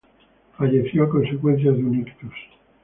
Falleció a consecuencia de un ictus.